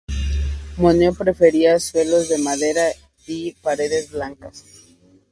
Moneo prefería suelos de madera y paredes blancas.